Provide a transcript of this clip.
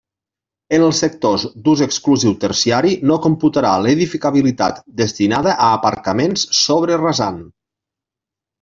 En els sectors d'ús exclusiu terciari, no computarà l'edificabilitat destinada a aparcaments sobre rasant.